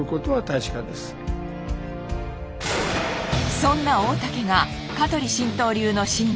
そんな大竹が香取神道流の神髄